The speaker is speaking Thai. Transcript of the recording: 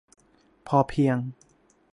พอเพียง ?